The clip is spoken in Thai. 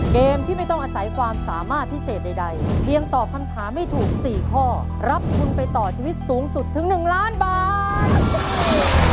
เกมที่ไม่ต้องอาศัยความสามารถพิเศษใดเพียงตอบคำถามให้ถูก๔ข้อรับทุนไปต่อชีวิตสูงสุดถึง๑ล้านบาท